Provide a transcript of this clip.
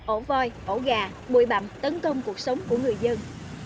ổ voi ổ gà bụi bậm tấn công cuộc sống của người dân